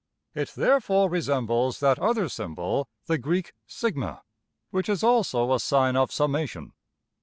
'' It therefore resembles that other symbol~$\sum$ (the Greek \emph{Sigma}), which is also a sign of summation.